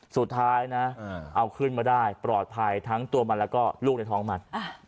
สุดท้ายนะเอาขึ้นมาได้ปลอดภัยทั้งตัวมันแล้วก็ลูกในท้องมัน